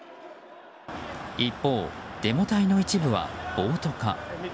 一方、デモ隊の一部は暴徒化。